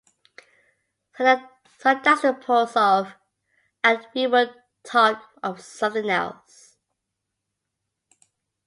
So that's disposed of, and we will talk of something else.